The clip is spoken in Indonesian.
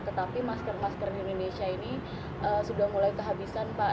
tetapi masker masker di indonesia ini sudah mulai kehabisan pak